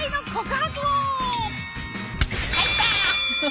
入った。